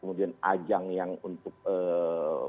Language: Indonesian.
kemudian kita tidak melihat ini sebagai sesuatu yang kemudian andong